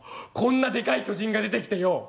こんなデカい巨人が出てきてよ